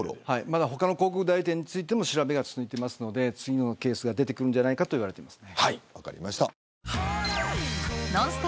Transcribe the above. まだ他の広告代理店についても調べが続いているので次のケースが出てくるんじゃないかと言われています。